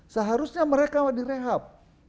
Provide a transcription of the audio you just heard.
seharusnya mereka yang direhab